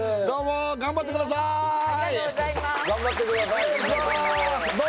どうもね！